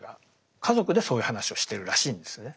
家族でそういう話をしてるらしいんですね。